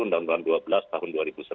undang undang dua belas tahun dua ribu sebelas